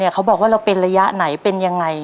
เขาบอกว่าเราเป็นระยะไหนเป็นยังไง